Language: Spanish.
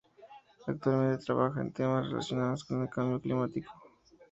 Actualmente trabaja en temas relacionados con el cambio climático.